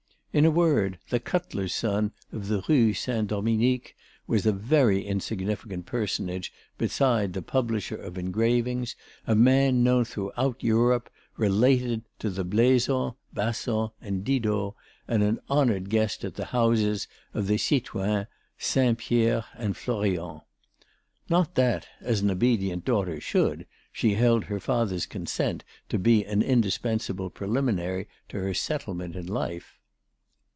In a word, the cutler's son of the Rue Saint Dominique was a very insignificant personage beside the publisher of engravings, a man known throughout Europe, related to the Blaizots, Basans and Didots, and an honoured guest at the houses of the citoyens Saint Pierre and Florian. Not that, as an obedient daughter should, she held her father's consent to be an indispensable preliminary to her settlement in life.